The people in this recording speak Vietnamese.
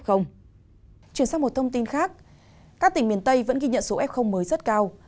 chuyển sang một thông tin khác các tỉnh miền tây vẫn ghi nhận số f mới rất cao